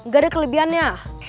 gak ada kelebihannya